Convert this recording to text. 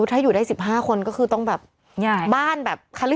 ถ้าอยู่ได้๑๕คนก็คือต้องแบบบ้านแบบ